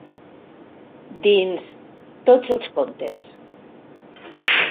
Dins Tots els contes.